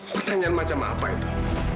pertanyaan macam apa itu